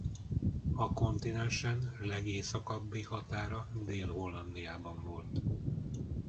A kontinensen legészakabbi határa Dél-Hollandiában volt.